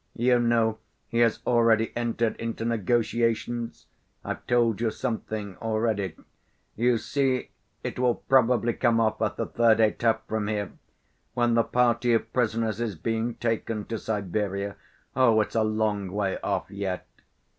You know he has already entered into negotiations.... I've told you something already.... You see, it will probably come off at the third étape from here, when the party of prisoners is being taken to Siberia. Oh, it's a long way off yet.